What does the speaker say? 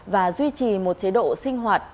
và duy trì một chế độ sinh hoạt